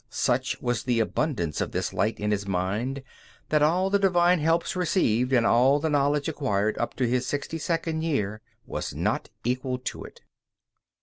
Such was the abundance of this light in his mind that all the divine helps received, and all the knowledge acquired up to his sixty second year, were not equal to it.